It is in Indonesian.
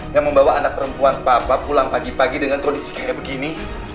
yang membawa anak perempuan papa pulang pagi pagi dengan kondisi kayak begini